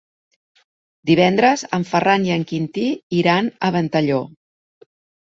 Divendres en Ferran i en Quintí iran a Ventalló.